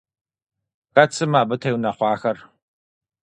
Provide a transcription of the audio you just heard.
Хэт сымэ абы теунэхъуахэр?